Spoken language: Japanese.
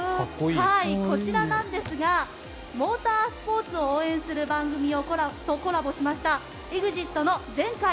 こちらなんですがモータースポーツを応援する番組とコラボしましたＥＸＩＴの全開！！